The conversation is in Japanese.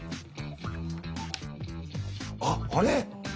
あっあれ？